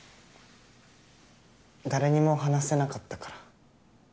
誰にも話せなかったから。